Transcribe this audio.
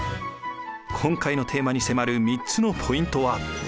今回のテーマに迫る３つのポイントは。